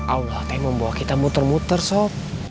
allah teeh membawa kita muter muter sob